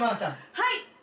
はい！